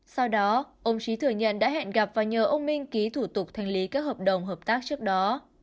sau đó ông trí thừa nhận đã hẹn gặp và nhờ ông minh ký thủ tục thanh lý các hợp đồng hợp tác trước đó